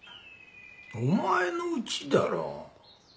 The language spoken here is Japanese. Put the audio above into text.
お前のうちだろう。